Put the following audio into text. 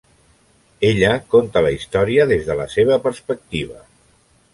Ella conta la història des de la seva perspectiva.